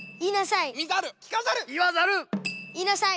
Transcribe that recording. いいなさい！